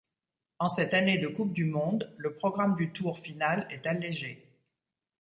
En cette année de Coupe du monde, le programme du tour final est allégé.